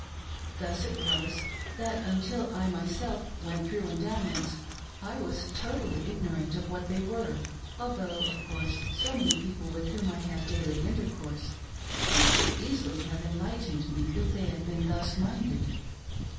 Thus it was, that until I myself went through the Endowments, I was totally ignorant of what they were ; although, of course, so many people with whom I had daily intercourse could so easily have enlightened me if they had been thus minded.